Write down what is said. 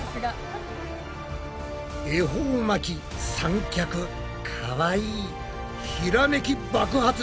恵方巻き三脚かわいいひらめき爆発！